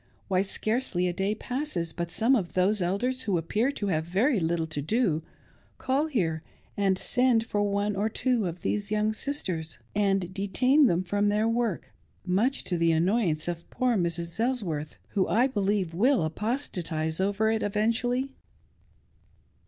Why, scarcely a day passes but some of those Elders, who appear to have very little to do, call here and send for one or two of these young sisters, and detain them from their work, much to the annoyance of poor Mrs. Elsworth, who I believe will apostatise over it eventually.